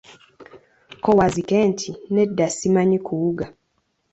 Ko Wazzike nti, nedda simanyi kuwuga.